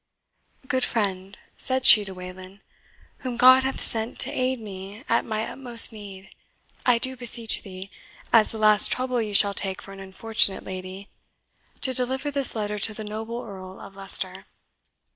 "Good friend," said she to Wayland, "whom God hath sent to aid me at my utmost need, I do beseech thee, as the last trouble you shall take for an unfortunate lady, to deliver this letter to the noble Earl of Leicester.